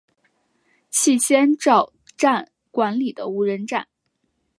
气仙沼站管理的无人站。